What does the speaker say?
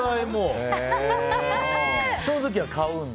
その時は買うんだ？